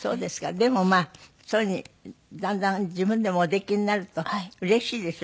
でもまあそういうふうにだんだん自分でもおできになるとうれしいでしょ？